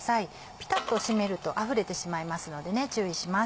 ピタっと閉めるとあふれてしまいますのでね注意します